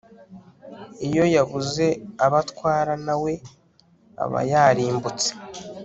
iyo yabuze abo atwara, na we aba yarimbutse